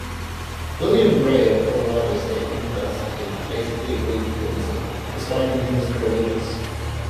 William Gray of Colorado State University basically agreed with Lindzen, describing him as "courageous".